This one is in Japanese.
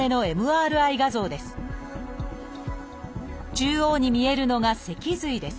中央に見えるのが脊髄です